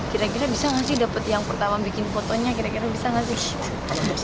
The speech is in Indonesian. kira kira bisa nggak sih dapet yang pertama bikin fotonya kira kira bisa nggak sih chef